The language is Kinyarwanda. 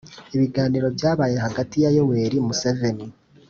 ibiganiro byabaye hagati ya yoweri museveni